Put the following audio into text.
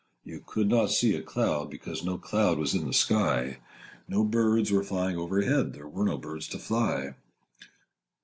You could not see a cloud, because Â Â Â Â No cloud was in the sky: No birds were flying over head— Â Â Â Â There were no birds to fly.